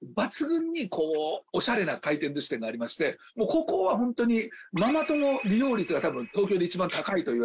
ここはホントにママ友利用率がたぶん東京で一番高いといわれている